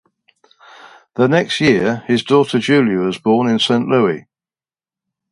The next year, his daughter Julia was born in Saint Louis.